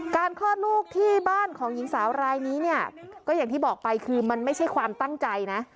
คลอดลูกที่บ้านของหญิงสาวรายนี้เนี่ยก็อย่างที่บอกไปคือมันไม่ใช่ความตั้งใจนะ